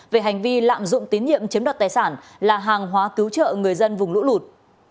về hành vi lạm dụng tín nhiệm chiếm đoạt tài sản là hàng hóa cứu trợ người dân vùng lũ lụt